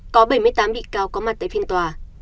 có bảy mươi tám bị cáo có mặt tại phiên tòa